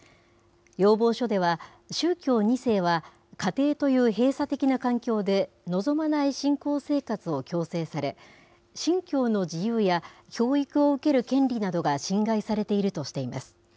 要望書では宗教２世は家庭という閉鎖的な環境で、望まない信仰生活を強制され、信教の自由や教育を受ける権利などが侵害されているとしています。